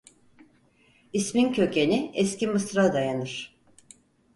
İsmin kökeni Eski Mısır'a dayanır.